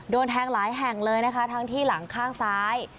แทงหลายแห่งเลยนะคะทั้งที่หลังข้างซ้าย